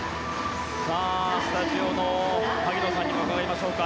スタジオの萩野さんにも伺いましょうか。